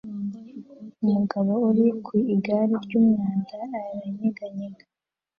Umugabo uri ku igare ryumwanda aranyeganyega